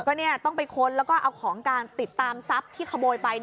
ก็ต้องไปค้นแล้วก็เอาของการติดตามทรัพย์ที่ขโมยไป